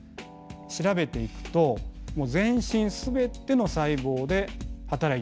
調べていくと全身全ての細胞で働いている。